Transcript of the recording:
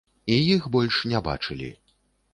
І іх больш не бачылі.